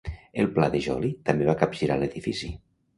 El pla de Joly també va capgirar l'edifici.